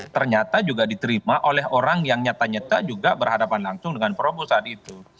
ternyata juga diterima oleh orang yang nyata nyata juga berhadapan langsung dengan prabowo saat itu